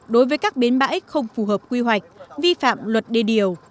đối với các bến bãi không phù hợp quy hoạch vi phạm luật đê điều